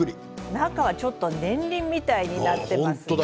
中はちょっと年輪みたいになっています。